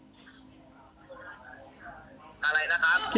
เลขบัญชีธนาคาร